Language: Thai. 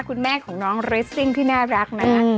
คุณแม่ของน้องเรสซิ่งที่น่ารักนะคะ